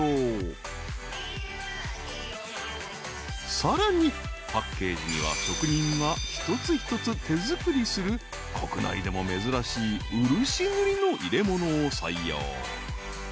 ［さらにパッケージには職人が一つ一つ手作りする国内でも珍しい漆塗りの入れ物を採用］